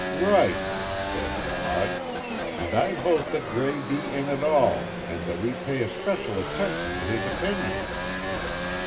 "Right!" said Maud, "and I vote that Gray be in it all, and that we pay especial attention to his opinions."